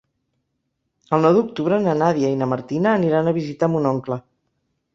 El nou d'octubre na Nàdia i na Martina aniran a visitar mon oncle.